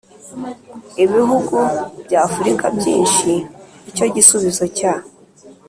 ibihugu by'afurika byinshi ni icyo gisubizo cya